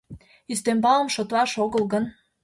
Ӱстембалым шотлаш огыл гын.